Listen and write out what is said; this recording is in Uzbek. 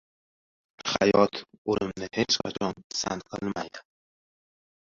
Hayot o‘limni hech qachon pisand qilmaydi.